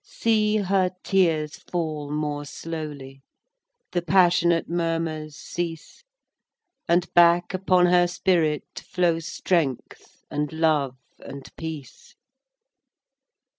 See, her tears fall more slowly; The passionate murmurs cease, And back upon her spirit Flow strength, and love, and peace.